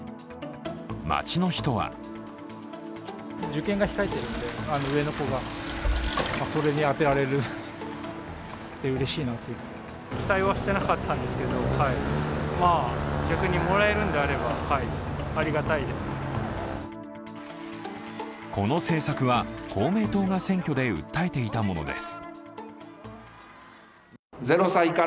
街の人はこの政策は、公明党が選挙で訴えていたものです。